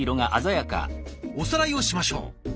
おさらいをしましょう。